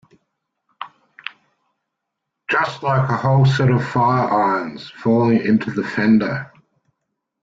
Just like a whole set of fire-irons falling into the fender!